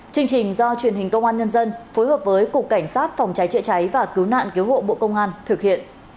chương trình do truyền hình công an nhân dân phối hợp với cục cảnh sát phòng cháy chữa cháy và cứu nạn cứu hộ bộ công an thực hiện